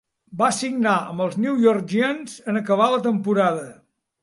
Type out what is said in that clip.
Va signar amb els New York Giants en acabar la temporada.